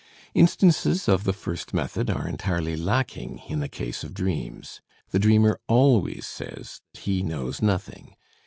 Instances of the first method are entirely lacking in the case of dreams; the dreamer always says he knows nothing.